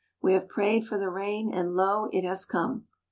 We have prayed for the rain and, lo, it has come."